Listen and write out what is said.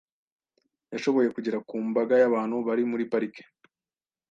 Yashoboye kugera ku mbaga y'abantu bari muri parike.